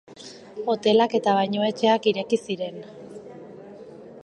Hotelak eta bainuetxeak ireki ziren.